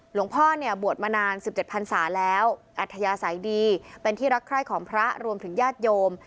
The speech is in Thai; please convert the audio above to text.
หลวงพ่อเนี่ยบวชมานาน๑๗พันศาแล้วอัธยาศัยดีเป็นที่รักใคร่ของพระรวมถึงญาติโยม